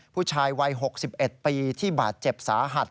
ผู้ชายวัย๖๑ปีที่บาดเจ็บสาหัส